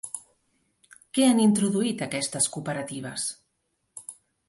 Què han introduït aquestes cooperatives?